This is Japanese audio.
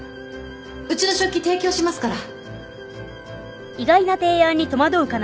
うちの食器提供しますから。